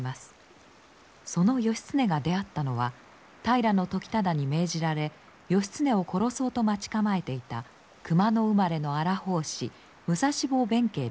その義経が出会ったのは平時忠に命じられ義経を殺そうと待ち構えていた熊野生まれの荒法師武蔵坊弁慶でした。